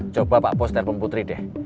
coba pak bos telepon putri deh